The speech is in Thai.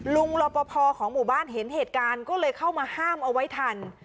รอปภของหมู่บ้านเห็นเหตุการณ์ก็เลยเข้ามาห้ามเอาไว้ทัน